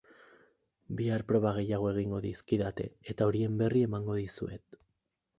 Bihar proba gehiago egingo dizkidate eta horien berri emango dizuet.